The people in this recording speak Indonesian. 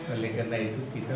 oleh karena itu kita